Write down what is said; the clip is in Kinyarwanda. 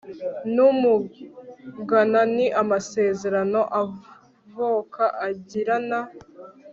n umugana ni amasezerano avoka agirana